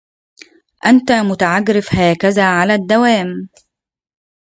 انت متعجرف هكذا على الدوام؟